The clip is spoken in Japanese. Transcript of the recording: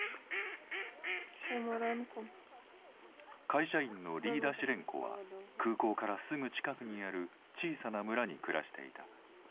会社員のリーダ・シレンコは空港からすぐ近くにある小さな村に暮らしていた。